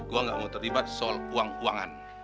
gue gak mau terlibat soal uang uangan